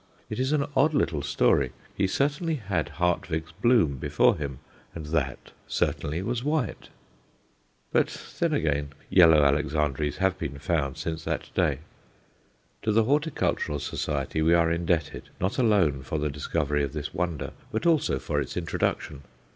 It is an odd little story. He certainly had Hartweg's bloom before him, and that certainly was white. But then again yellow Alexandræs have been found since that day. To the Horticultural Society we are indebted, not alone for the discovery of this wonder, but also for its introduction.